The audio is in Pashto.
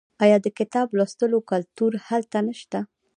آیا د کتاب لوستلو کلتور هلته نشته؟